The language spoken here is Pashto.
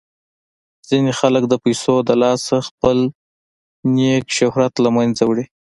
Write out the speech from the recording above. ځینې خلک د پیسو د لاسه خپل نیک شهرت له منځه وړي.